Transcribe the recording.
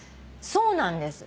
そうなんです。